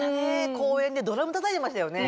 公園でドラムたたいてましたよね。